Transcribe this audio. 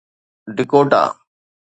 Dakota